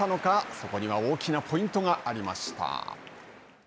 そこには大きなポイントがありました。